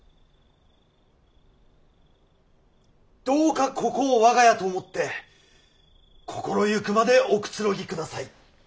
どうかここを我が家と思って心行くまでおくつろぎください。